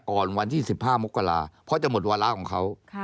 วันที่๑๕มกราเพราะจะหมดวาระของเขา